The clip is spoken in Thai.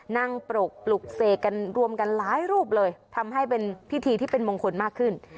ปรกปลุกเสกกันรวมกันหลายรูปเลยทำให้เป็นพิธีที่เป็นมงคลมากขึ้น